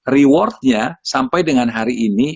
rewardnya sampai dengan hari ini